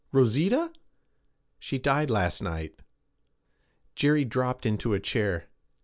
Rosita?' 'She died last night.' Jerry dropped into a chair.